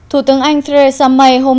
thủ tướng anh theresa may hôm nay có chuyện